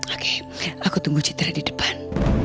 oke aku tunggu citra di depan